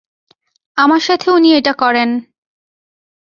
আমার সাথে উনি এটা করেন।